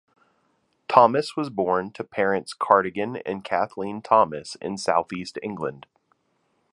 Thomas was born to parents Cardigan and Kathleen Thomas in southeast England.